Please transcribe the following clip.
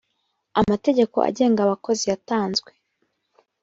amategeko agenga abakozi yatanzwe